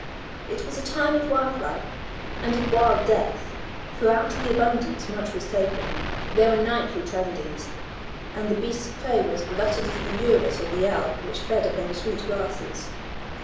It was a time of wild life, and of wild death, for out of the abundance much was taken; there were nightly tragedies, and the beasts of prey were as glutted as the urus or the elk which fed on the sweet grasses.